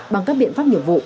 bằng các biện pháp nhiệm vụ